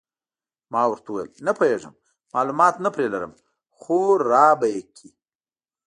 ما ورته وویل: نه پوهېږم، معلومات نه پرې لرم، خو را به یې کړي.